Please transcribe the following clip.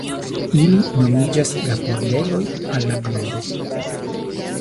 Ili nomiĝas la Pordegoj al la Gloro.